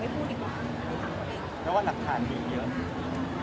อย่าถังเพราะว่าหลักฐานมีเยอะ